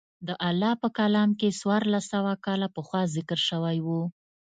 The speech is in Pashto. د الله په کلام کښې څوارلس سوه کاله پخوا ذکر سوي وو.